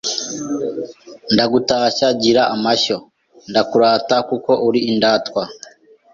Ndagutashya gira amashyo Ndakurata kuko uri indatwa